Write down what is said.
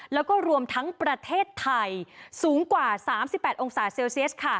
แล้วก็รวมทั้งประเทศไทยสูงกว่าสามสิบแปดองศาเซลเซียสค่ะ